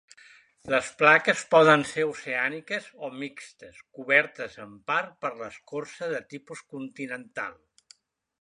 Les plaques poden ser oceàniques o mixtes, cobertes en part per escorça de tipus continental.